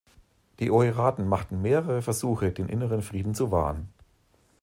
Die Oiraten machten mehrere Versuche, den inneren Frieden zu wahren.